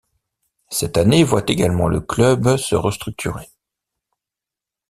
Cette année voit également le club se restructurer.